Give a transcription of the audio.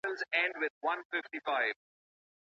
که پورته ميکانيزمونه د اصلاح سبب نسول.